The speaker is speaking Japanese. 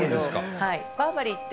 はい。